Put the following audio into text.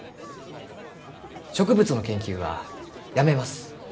植物の研究はやめます。